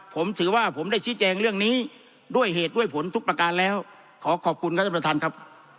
ผมถือว่าผมได้ชี้แจงเรื่องนี้ด้วยเหตุด้วยผลทุกประการแล้วขอขอบคุณครับท่านประธานครับ